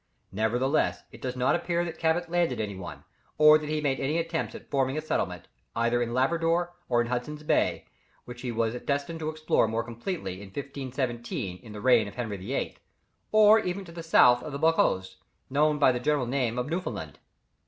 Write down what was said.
Nevertheless it does not appear that Cabot landed any one, or that he made any attempts at forming a settlement, either in Labrador, or in Hudson's Bay which he was destined to explore more completely in 1517, in the reign of Henry VIII. or even to the south of the Bacalhaos, known by the general name of Newfoundland.